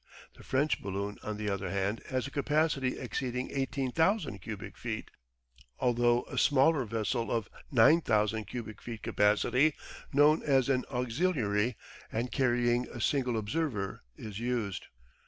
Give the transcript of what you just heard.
The French balloon on the other hand has a capacity exceeding 18,000 cubic feet, although a smaller vessel of 9,000 cubic feet capacity, known as an auxiliary, and carrying a single observer, is used.